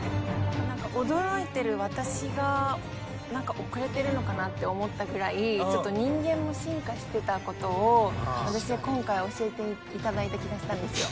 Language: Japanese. なんか驚いてる私が遅れてるのかなって思ったぐらいちょっと人間も進化してた事を私は今回教えていただいた気がしたんですよ。